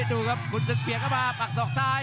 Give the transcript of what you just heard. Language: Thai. ดูครับคุณศึกเปียกมามาปักสรอกซ้าย